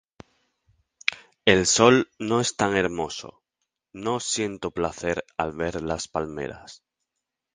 El sol no es tan hermoso, no siento placer al ver las palmeras.